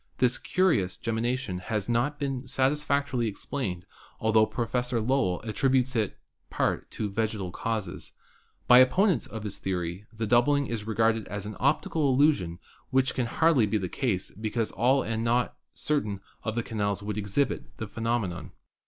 This curi ous gemmation has not been satisfactorily explained, altho Professor Lowell attributes it in part to vegetal MARS 185 causes. By opponents of his theory the doubling is re garded as an optical illusion, which can hardly be the case, because all and not certain of the canals would ex hibit the phenomenon.